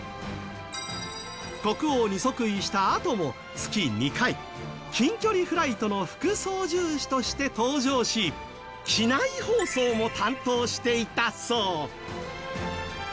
国王に即位したあとも月２回近距離フライトの副操縦士として搭乗し機内放送も担当していたそう。